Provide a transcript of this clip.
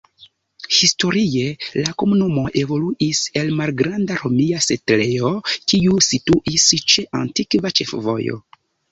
Historie la komunumo evoluis el malgranda romia setlejo, kiu situis ĉe antikva ĉefvojo.